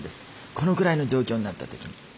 このぐらいの状況になった時に。